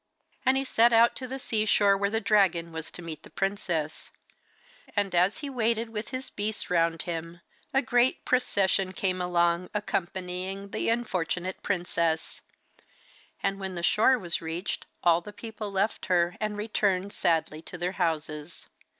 And he set out to the sea shore, where the dragon was to meet the princess. And as he waited with his beasts round him a great procession came along, accompanying the unfortunate princess: and when the shore was reached all the people left her, and returned sadly to their houses.